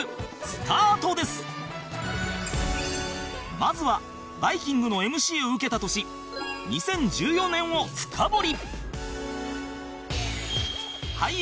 まずは『バイキング』の ＭＣ を受けた年２０１４年を深掘り